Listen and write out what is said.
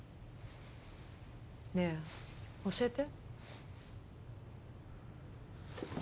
ねえ教えて。